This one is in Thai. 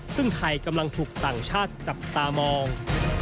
ซึ่งไทยกำลังถูกต่างชาติจับตามอง